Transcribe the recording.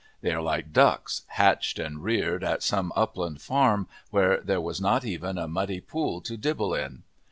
They are like ducks, hatched and reared at some upland farm where there was not even a muddy pool to dibble in.